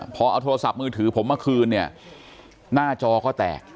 พอเอาโทรศัพท์มือถือผมมาคืนเนี่ยหน้าจอก็แตก